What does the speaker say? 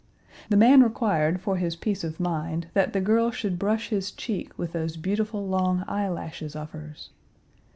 The man required for his peace of mind that the girl should brush his cheek with those beautiful long eyelashes of hers.